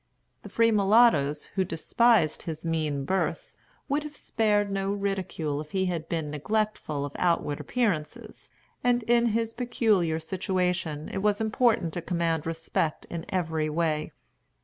The free mulattoes, who despised his mean birth, would have spared no ridicule if he had been neglectful of outward appearances; and in his peculiar situation it was important to command respect in every way.